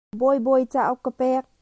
Bawibawi cauk ka pek.